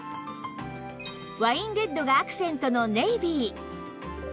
ワインレッドがアクセントのネイビー